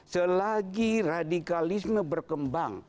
selagi radikalisme berkembang